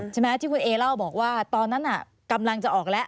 ใช่ไหมที่คุณเอเล่าบอกว่าตอนนั้นกำลังจะออกแล้ว